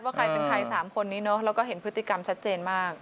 ใครเป็นใคร๓คนนี้เนอะแล้วก็เห็นพฤติกรรมชัดเจนมาก